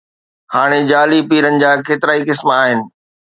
هاڻي جعلي پيرن جا ڪيترائي قسم آهن.